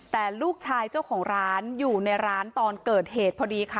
แต่ลูกชายเจ้าของร้านอยู่ในร้านตอนเกิดเหตุพอดีค่ะ